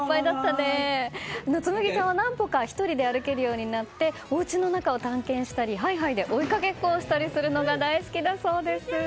月紬ちゃんは何とか１人で歩けるようになりおうちの中を探検したりハイハイで追いかけっこをしたりするのが大好きだそうです。